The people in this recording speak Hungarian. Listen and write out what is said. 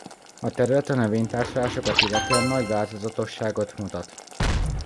A terület a növénytársulásokat illetően nagy változatosságot mutat.